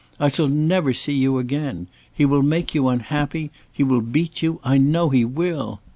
I shall never see you again! He will make you unhappy; he will beat you, I know he will!